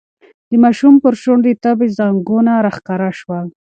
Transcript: د ماشوم پر شونډو د تبې ځگونه راښکاره شول.